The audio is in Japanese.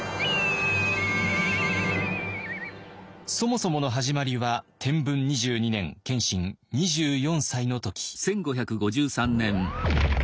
そもそもの始まりは天文２２年謙信２４歳の時。